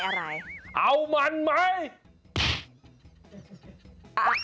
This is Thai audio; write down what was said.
เอามันไหม